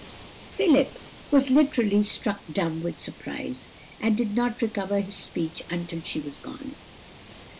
Philip was literally struck dumb with surprise, and did not recover his speech until she was gone.